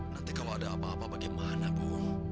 nanti kalau ada apa apa bagaimana bu